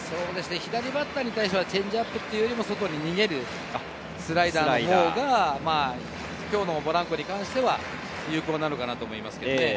左バッターに対してはチェンジアップよりも外に逃げるスライダーのほうが、今日のポランコに関しては有効なのかなと思います。